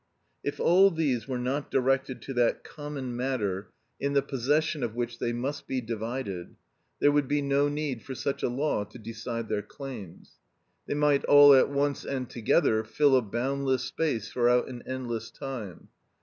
If all these were not directed to that common matter in the possession of which they must be divided, there would be no need for such a law to decide their claims. They might all at once and together fill a boundless space throughout an endless time.